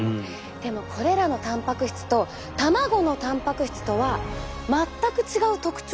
でもこれらのたんぱく質と卵のたんぱく質とは全く違う特徴を持っているんです。